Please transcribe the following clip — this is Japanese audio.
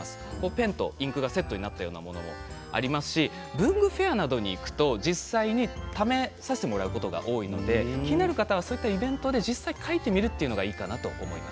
ペンとインクがセットになっているものもありますし文具フェアなどに行きますと試させてもらえることが多いので気になった方は、イベントで実際に書いてみるのがいいと思います。